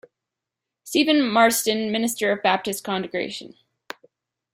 Stephen Marston, minister of a baptist congregation.